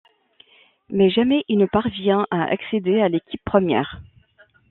Mais jamais il ne parvient à accéder à l'équipe première.